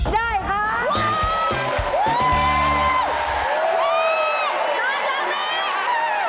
ได้แล้วนะ